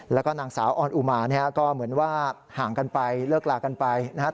แล้วก็นางสาวออนอุมาเนี่ยก็เหมือนว่าห่างกันไปเลิกลากันไปนะครับ